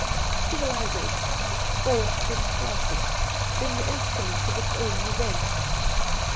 Civilization, scorned and flouted, being the instrument of its own revenge